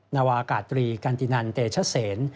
นาวากาศตรีกันตินันเตชเซน